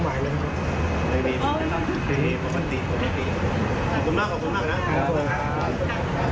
วันนี้จริงเลย